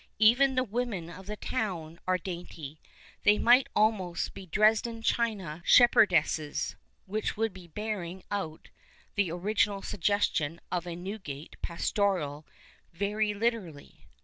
Even the women of the town arc dainty. They might almost be Dresden china shepherdesses (which would be bearing out the original suggestion of a Newgate " pastoral " very literally).